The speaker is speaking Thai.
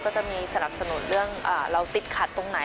ก็จะมีสนับสนุนเรื่องเราติดขัดตรงไหน